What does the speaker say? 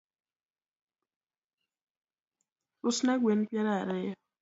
Usna gwen peiro ariyo